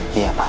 lari tempat ini